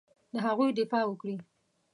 د هغوی دفاع وکړي.